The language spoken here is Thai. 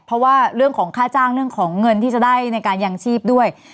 เพราะว่าเรื่องของค่าจ้างเรื่องของเงินที่จะได้ในการยังชีพด้วย